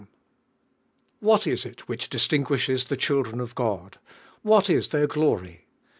WHAT is it which distinguishes the children of Hod? What is their "iciiv?